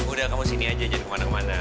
udah kamu sini aja jangan kemana mana